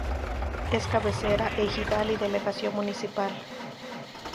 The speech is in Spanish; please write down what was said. Es cabecera ejidal y delegación municipal.